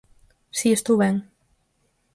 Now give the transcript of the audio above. Si, estou ben!